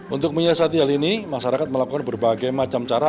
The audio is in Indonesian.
untuk menyiasati hal ini masyarakat melakukan berbagai macam cara